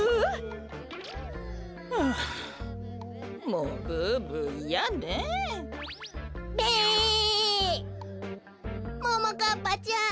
ももかっぱちゃん